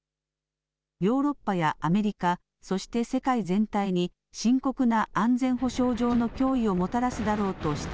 ヨーロッパやアメリカ、そして世界全体に深刻な安全保障上の脅威をもたらすだろうと指摘。